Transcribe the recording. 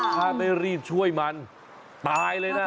ถ้าไม่รีบช่วยมันตายเลยนะ